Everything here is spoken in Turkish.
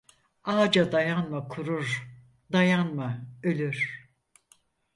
Ağaca dayanma kurur dayanma ölür.